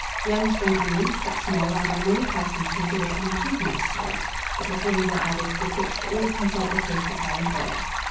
Young spring onions, cut small, are by many persons considered an improvement to salads; but, before these are added, the cook should always consult the taste of her employer.